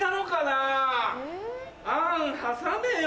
あん挟めよ。